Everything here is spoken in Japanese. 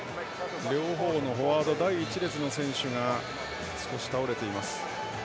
両方のフォワード第１列の選手が少し倒れています。